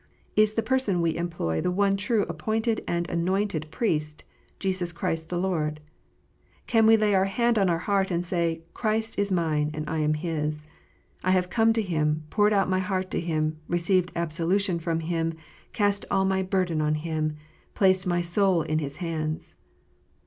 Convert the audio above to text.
Is the person we employ the one true appointed and anointed Priest, Jesus Christ the Lord 1 Can we lay our hand on our heart and say, " Christ is mine and I am His ? I have come to Him, poured out my heart to Him, received absolution from Him, cast all my burden on Him, placed my soul in His hands."